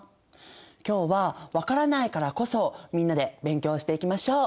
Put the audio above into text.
今日はわからないからこそみんなで勉強していきましょう。